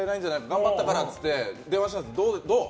頑張ったからってことで電話したんですけどどう？